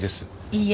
いいえ。